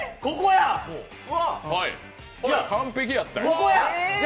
完璧やった。